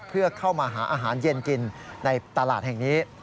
เพื่อเข้ามาหาอาหารเย็นกินในตลาดแห่งนี้